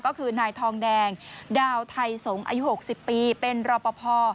ก็คือนายทองแดงดาวไทยสงฯอายุหกสิบปีเป็นรอบพอพอ